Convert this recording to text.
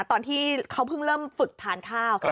ตอนที่เขาเพิ่งเริ่มฝึกทานข้าว